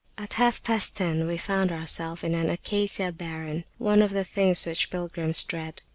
At half past ten we [p.69] found ourselves in an Acacia barren, one of the things which pilgrims dread.